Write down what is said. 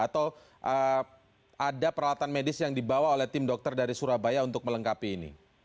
atau ada peralatan medis yang dibawa oleh tim dokter dari surabaya untuk melengkapi ini